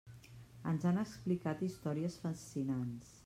Ens han explicat històries fascinants.